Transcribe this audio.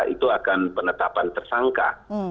itu akan penetapan tersangka